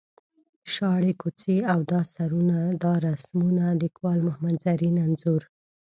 شاړې کوڅې او دا سرونه دا رسمونه ـ لیکوال محمد زرین انځور.